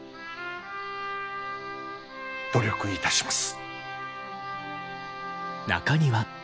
努力いたします。